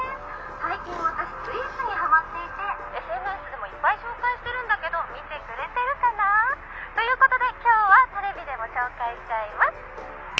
最近私スイーツにはまっていてＳＮＳでもいっぱい紹介してるんだけど見てくれてるかな？ということで今日はテレビでも紹介しちゃいます。